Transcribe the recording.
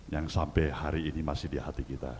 yang sampai hari ini masih di hati kita